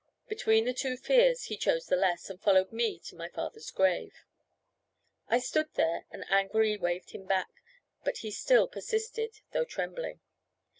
Between the two fears he chose the less, and followed me to my father's grave. I stood there and angrily waved him back, but he still persisted, though trembling.